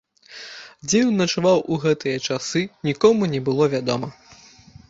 Дзе ён начаваў у гэтыя часы, нікому не было вядома.